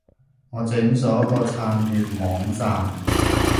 我整咗個撐粵網站